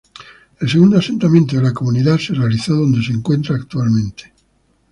El segundo asentamiento de la comunidad se realizó donde se encuentra actualmente.